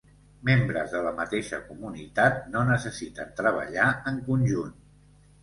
Membres de la mateixa comunitat no necessiten treballar en conjunt.